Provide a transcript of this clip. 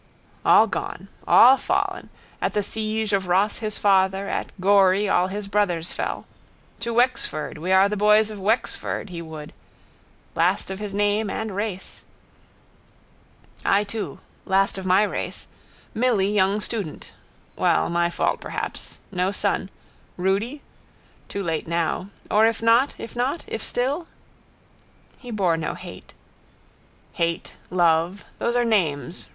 All gone. All fallen. At the siege of Ross his father, at Gorey all his brothers fell. To Wexford, we are the boys of Wexford, he would. Last of his name and race. I too. Last of my race. Milly young student. Well, my fault perhaps. No son. Rudy. Too late now. Or if not? If not? If still? He bore no hate. Hate. Love. Those are names.